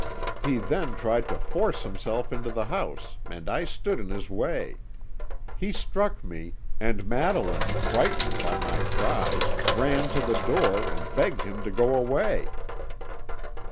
He then tried to force himself into the house, and I stood in his way. He struck me, and Madeline, frightened by my cries, ran to the door, and begged him to go away."